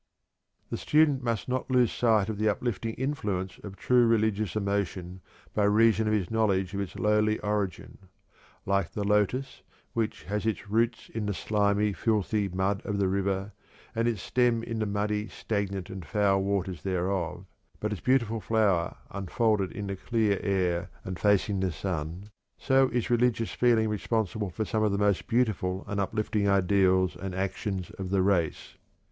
The student must not lose sight of the uplifting influence of true religious emotion by reason of his knowledge of its lowly origin. Like the lotus, which has its roots in the slimy, filthy mud of the river, and its stem in the muddy, stagnant, and foul waters thereof, but its beautiful flower unfolded in the clear air and facing the sun, so is religious feeling responsible for some of the most beautiful and uplifting ideals and actions of the race.